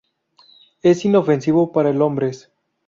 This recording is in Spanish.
Es inofensivo para el hombres.